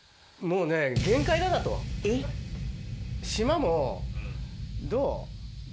島も、どう？